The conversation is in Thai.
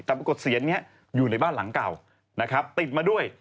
แต่ปรากฏเสียนนี้อยู่ในบ้านหลังเก่านะครับติดมาด้วย